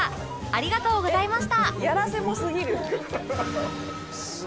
ありがとうございます。